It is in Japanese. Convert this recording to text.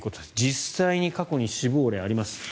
実際に過去に死亡例があります。